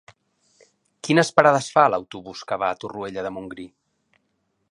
Quines parades fa l'autobús que va a Torroella de Montgrí?